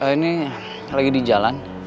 ini lagi di jalan